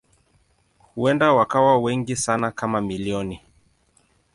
Huenda wakawa wengi sana kama milioni.